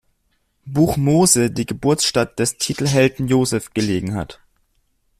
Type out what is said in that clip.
Buch Mose die Geburtsstadt des Titelhelden Josef gelegen hat.